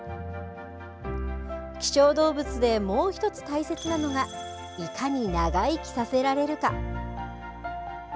希少動物でもう１つ大切なのがいかに長生きさせられるか。